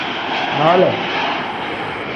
Noole.